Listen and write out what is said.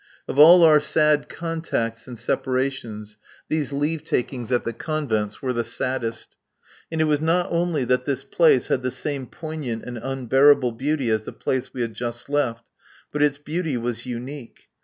Of all our sad contacts and separations, these leave takings at the convents were the saddest. And it was not only that this place had the same poignant and unbearable beauty as the place we had just left, but its beauty was unique.